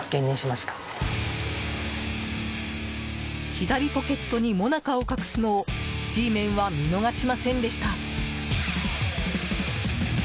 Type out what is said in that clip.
左ポケットにもなかを隠すのをＧメンは見逃しませんでした。